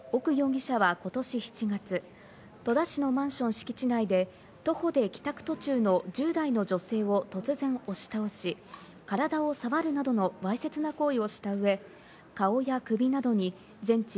警察によりますと奥容疑者は今年７月、戸田市のマンション敷地内で徒歩で帰宅途中の１０代の女性を突然押し倒し、体を触るなどのわいせつな行為をした上、顔や首などに全治